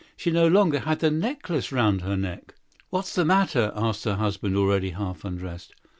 She no longer had the necklace around her neck! "What is the matter with you?" demanded her husband, already half undressed.